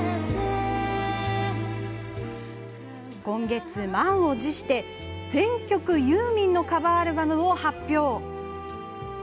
今月、満を持して全曲ユーミンのカバーに挑戦したアルバムを発表。